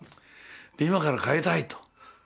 で今から変えたいと。